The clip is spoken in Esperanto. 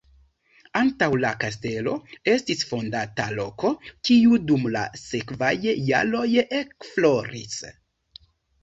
Antaŭ la kastelo estis fondata loko, kiu dum la sekvaj jaroj ekfloris.